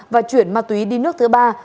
và chuyển ma túy đi nước thứ ba